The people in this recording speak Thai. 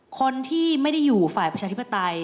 คนที่ไม่ได้อยู่ฝ่ายประชาธิปไตย